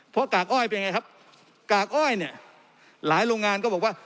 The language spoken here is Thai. เพราะกากอ้อยเป็นไงครับกากอ้อยเนี่ยหลายโรงงานก็บอกว่า